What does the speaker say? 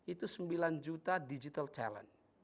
itu sembilan juta digital talent